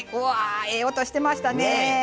ええ音してましたね！